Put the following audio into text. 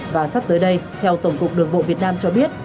và sắp tới đây theo tổng cục đường bộ việt nam cho biết